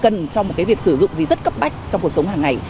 cần cho một cái việc sử dụng gì rất cấp bách trong cuộc sống hàng ngày